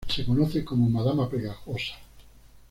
Se conoce como "madama pegajosa".